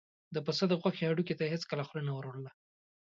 د پس د غوښې هډوکي ته یې هېڅکله خوله نه وروړله.